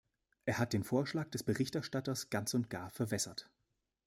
Er hat den Vorschlag des Berichterstatters ganz und gar verwässert.